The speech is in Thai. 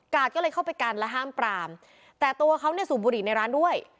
ก็เลยเข้าไปกันและห้ามปรามแต่ตัวเขาเนี่ยสูบบุหรี่ในร้านด้วย